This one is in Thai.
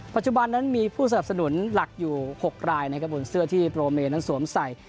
ปัจจุบันนั้นมีผู้สนับสนุนหลักอยู่๖รายนะครับบนเสื้อที่โปรเมนั้นสวมใส่